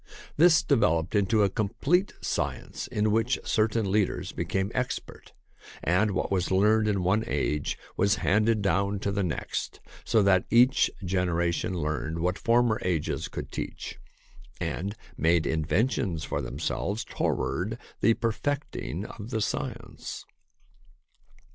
This developed into a complete science in which certain leaders became expert, and what was learned in one age was handed down to the next, so that each generation learned what former ages could teach, and made inventions for themselves toward the perfecting of the science.